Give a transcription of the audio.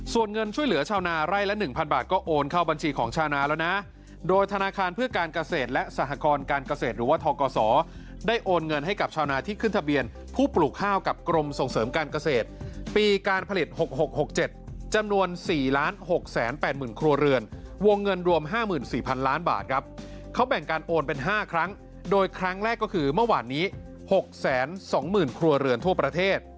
ส่วนเงินช่วยเหลือชาวนาไล่ละ๑๐๐๐บาทก็โอนเข้าบัญชีของชาวนาแล้วนะโดยธนาคารเพื่อการเกษตรและสหกกศหรือว่าทกศได้โอนเงินให้กับชาวนาที่ขึ้นทะเบียนผู้ปลูกข้ากับกรมส่งเสริมการเกษตรปีการผลิต๖๖๖๗จำนวน๔๖๘๐๐๐๐ครัวเรือนวงเงินรวม๕๔๐๐๐๐๐๐บาทครับเขาแบ่งการโอนเป